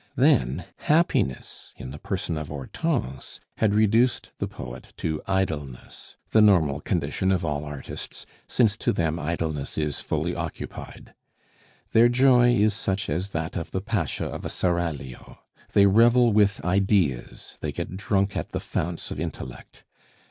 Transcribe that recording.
Then happiness, in the person of Hortense, had reduced the poet to idleness the normal condition of all artists, since to them idleness is fully occupied. Their joy is such as that of the pasha of a seraglio; they revel with ideas, they get drunk at the founts of intellect.